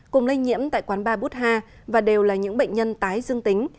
cùng lây nhiễm tại quán ba butha và đều là những bệnh nhân tái dương tính